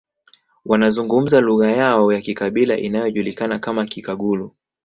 Wanazungumza lugha yao ya kikabila inayojulikana kama Kikagulu